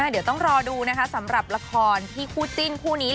เดี๋ยวต้องรอดูนะคะสำหรับละครที่คู่จิ้นคู่นี้